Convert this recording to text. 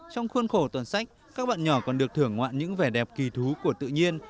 trong khuôn khổ tuần sách các bạn nhỏ còn được thưởng ngoạn những vẻ đẹp kỳ thú của tự nhiên